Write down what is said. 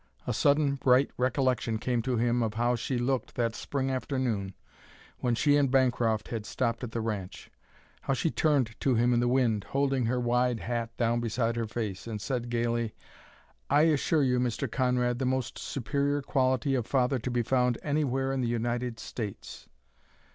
A sudden bright recollection came to him of how she looked that Spring afternoon when she and Bancroft had stopped at the ranch; how she turned to him in the wind, holding her wide hat down beside her face, and said gayly, "I assure you, Mr. Conrad, the most superior quality of father to be found anywhere in the United States!"